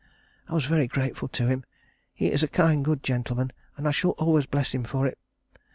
I was very grateful to him. He is a kind good gentleman, and I shall always bless him for it.